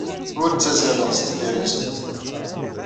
Ur ttazzaleɣ sdeffir-nsent.